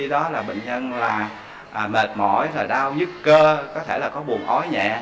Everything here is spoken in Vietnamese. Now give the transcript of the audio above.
đó là bệnh nhân mệt mỏi đau nhức cơ có thể là có buồn ói nhẹ